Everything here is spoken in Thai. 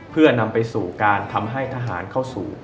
เพื่อนำไปสู่การทำให้ทหารเข้าสู่